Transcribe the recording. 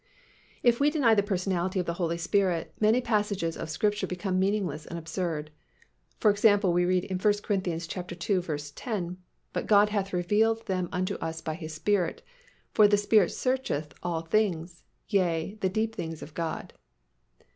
_ If we deny the personality of the Holy Spirit, many passages of Scripture become meaningless and absurd. For example, we read in 1 Cor. ii. 10, "But God hath revealed them unto us by His Spirit: for the Spirit searcheth all things, yea, the deep things of God."